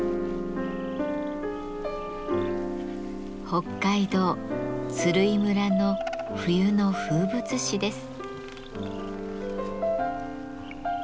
北海道鶴居村の冬の風物詩です。